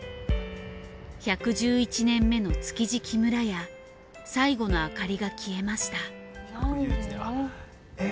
１１１年目の築地木村家最後の明かりが消えました。